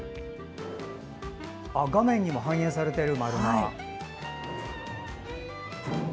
画面にも反映されてる。